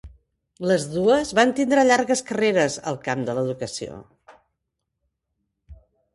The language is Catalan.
Les dos van tindre llargues carreres al camp de l'educació.